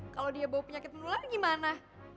kalau dia bawa penyakit menular gimana